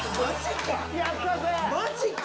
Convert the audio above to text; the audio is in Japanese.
マジか。